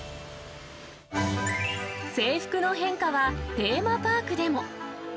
制服の変化はテーマパークでも。